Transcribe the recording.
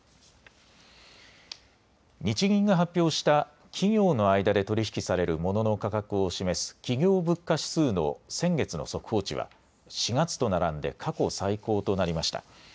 日銀が発表した企業の間で取り引きされるモノの価格を示す企業物価指数の先月の速報値は４月と並んで過去最高となりました。